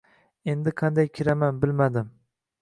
Endi qanday kiraman, bilmadim.